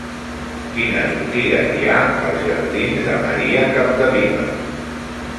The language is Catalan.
Quines botigues hi ha als jardins de Maria Capdevila?